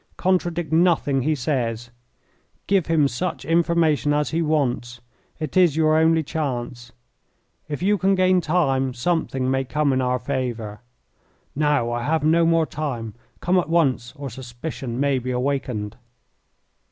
Contradict nothing he says. Give him such information as he wants. It is your only chance. If you can gain time something may come in our favour. Now, I have no more time. Come at once, or suspicion may be awakened."